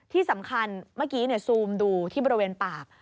ที่สำคัญเมื่อกี้ซูมดูที่บริเวณปาก